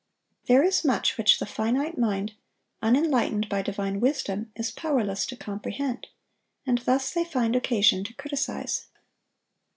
There is much which the finite mind, unenlightened by divine wisdom, is powerless to comprehend; and thus they find occasion to criticise.